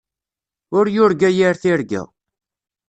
Ur yurga yir tirga.